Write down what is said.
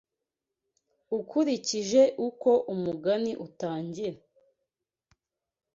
Ukurikije uko umugani utangira